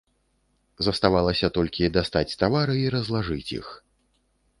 Заставалася толькі дастаць тавары і разлажыць іх.